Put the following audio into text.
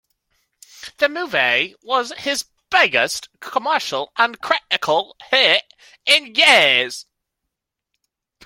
The movie was his biggest commercial and critical hit in years.